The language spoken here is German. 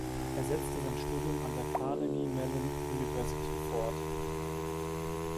Er setzte sein Studium an der Carnegie-Mellon University fort.